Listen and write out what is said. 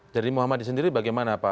jadi muhammadiyah sendiri bagaimana pak